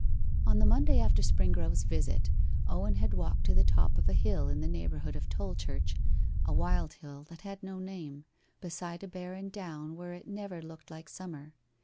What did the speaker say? On the Monday after Springrove's visit, Owen had walked to the top of a hill in the neighbourhood of Tolchurch a wild hill that had no name, beside a barren down where it never looked like summer.